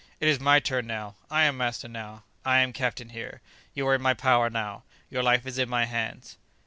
"It is my turn now! I am master now! I am captain here! You are in my power now! Your life is in my hands!"